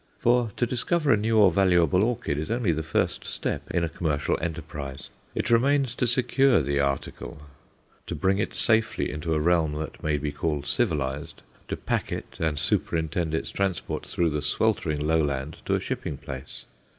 For to discover a new or valuable orchid is only the first step in a commercial enterprise. It remains to secure the "article," to bring it safely into a realm that may be called civilized, to pack it and superintend its transport through the sweltering lowland to a shipping place.